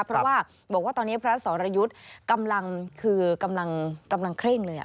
เพราะว่าบอกว่าตอนนี้พระสรยุทธ์กำลังคือกำลังเคร่งเลย